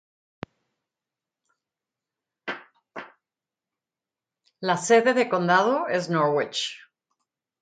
La sede de condado es Norwich.